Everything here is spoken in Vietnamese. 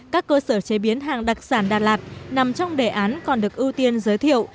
các cơ sở chế biến hàng đặc sản đà lạt nằm trong đề án còn được ưu tiên giới thiệu